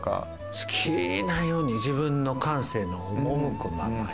好きなように自分の感性の赴くままに。